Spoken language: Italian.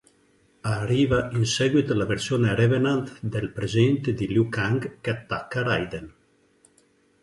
Arriva in seguito la versione Revenant del presente di Liu Kang che attacca Raiden.